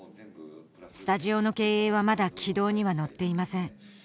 スタジオの経営はまだ軌道には乗っていません